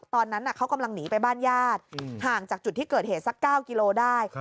ตอนนั้นเขากำลังหนีไปบ้านญาติห่างจากจุดที่เกิดเหตุสัก๙กิโลได้